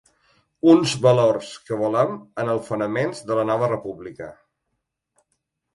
Uns valors que volem en els fonaments de la nova república.